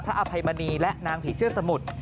อภัยมณีและนางผีเชื่อสมุทร